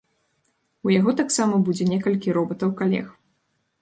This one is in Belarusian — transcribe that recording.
У яго таксама будзе некалькі робатаў-калег.